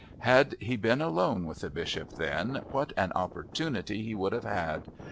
Had he been alone with the Bishop then, what an opportunity he would have had!